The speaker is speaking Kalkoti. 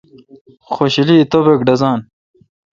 خوشیلی توبک ڈزان۔